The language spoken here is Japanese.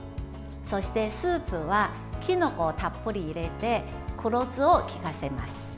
そして、スープはきのこをたっぷり入れて黒酢を利かせます。